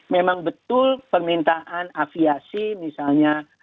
memang betul permintaan aviasi misalnya